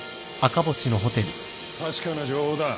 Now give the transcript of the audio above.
確かな情報だ。